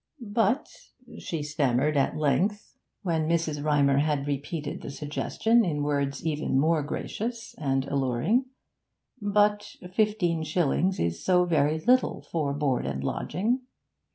'But,' she stammered at length, when Mrs. Rymer had repeated the suggestion in words even more gracious and alluring, 'but fifteen shillings is so very little for board and lodging.'